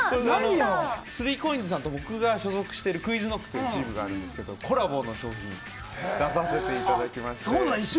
３ＣＯＩＮＳさんと僕が所属しているクイズノックというチームがあるんですけどコラボグッズを出させていただいてます。